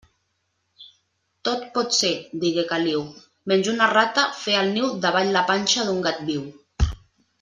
Tot pot ser, digué Caliu, menys una rata fer el niu davall la panxa d'un gat viu.